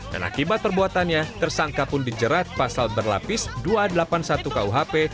dan akibat perbuatannya tersangka pun dijerat pasal berlapis dua ratus delapan puluh satu kuhp